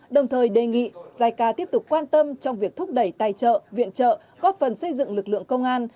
đồng thời đề nghị jica tiếp tục quan tâm trong việc thúc đẩy tài trợ viện trợ góp phần xây dựng lực lượng công an